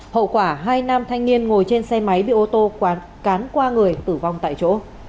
hậu quả hai nam thanh niên ngồi trên xe máy bị ô tô cán qua người tử vong tại chỗ